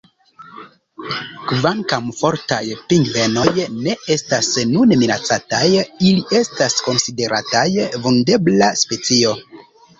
Kvankam Fortaj pingvenoj ne estas nune minacataj, ili estas konsiderataj vundebla specio.